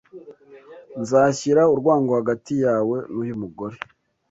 Nzashyira urwango hagati yawe n’uyu mugore